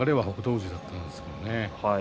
富士だったんですけれどもね。